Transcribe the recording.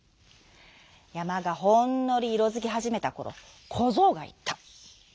やまがほんのりいろづきはじめたころこぞうがいった。